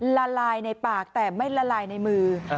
ละลายในปากแต่ไม่ละลายในมือ